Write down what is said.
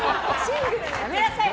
やめなさいよ！